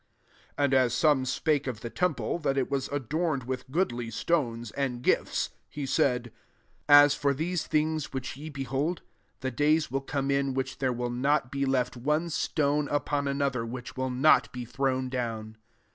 5 And as some spake of the temple, that it was adorned with goodly stones, and gifts, he said, 6 « M for these things which ye behold, the days will come in which there will not be left one stone up<m anotker, which will not be thrown down."